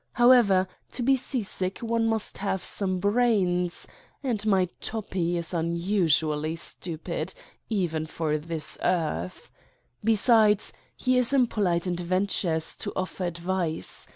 However to be seasick one must have some brains and my Toppi is unusually stupid * 9 Satan's Diary even for this earth. Besides, he is impolite and ventures to offer advice.